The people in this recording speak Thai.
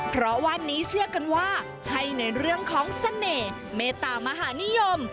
เพราะวันนี้เชื่อกันว่าให้ในเรื่องของเสน่ห์เมตามหานิยม